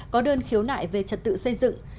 có đơn khiếu nại về trật tự xây dựng